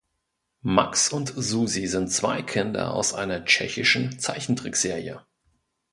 Max und Susi sind zwei Kinder aus einer tschechischen Zeichentrickserie.